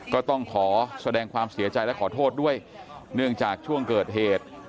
ก็ต้องขอแสดงความเสียใจและขอโทษด้วยเนื่องจากช่วงเกิดเหตุ